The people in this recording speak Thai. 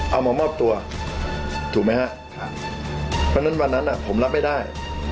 เอามามอบตัวถูกไหมฮะเพราะฉะนั้นวันนั้นผมรับไม่ได้